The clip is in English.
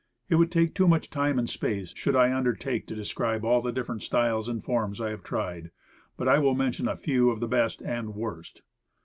It would take too much time and space, should I undertake to describe all the different styles and forms I have tried. But, I will mention a few of the best and worst.